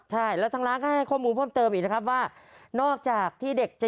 ใช่แล้วทางร้านก็ให้ข้อมูลเพิ่มเติมอีกนะครับว่านอกจากที่เด็กจะ